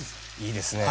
いいですね。